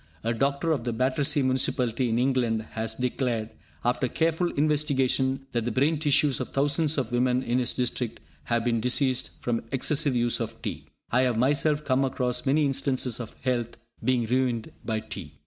A doctor of the Battersea Municipality in England has declared, after careful investigation, that the brain tissues of thousands of women in his district have been diseased from excessive use of tea. I have myself come across many instances of health being ruined by tea.